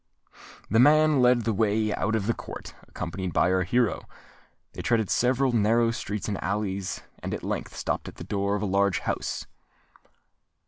The man led the way out of the court, accompanied by our hero. They threaded several narrow streets and alleys, and at length stopped at the door of a large house.